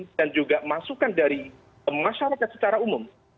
dan juga masukan dari masyarakat secara umum